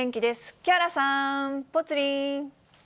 木原さん、ぽつリン。